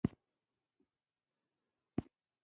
لیکولان او شاعران